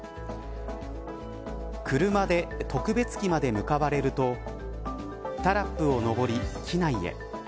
車で特別機まで向かわれるとタラップを上り機内へ。